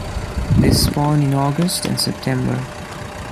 They spawn in August and September.